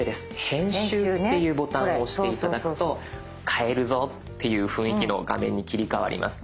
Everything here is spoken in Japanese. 編集っていうボタンを押して頂くと変えるぞっていう雰囲気の画面に切り替わります。